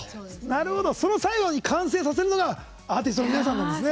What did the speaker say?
その最後に、完成させるのがアーティストの皆さんなんですね。